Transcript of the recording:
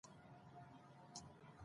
دين د خير خواهي نوم دی